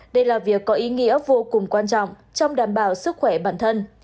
đây là việc có ý nghĩa vô cùng quan trọng trong đảm bảo sức khỏe bản thân